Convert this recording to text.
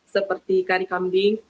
seperti kari kambing